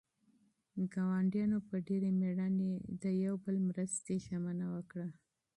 ګاونډیانو په ډېرې مېړانې د یو بل د مرستې ژمنه وکړه.